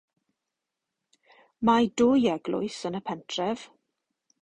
Mae dwy eglwys yn y pentref.